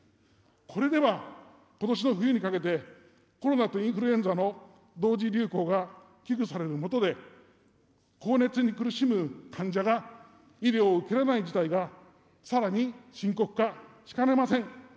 これでは、ことしの冬にかけて、コロナとインフルエンザの同時流行が危惧されるもとで、高熱に苦しむ患者が医療を受けられない事態が、さらに深刻化しかねません。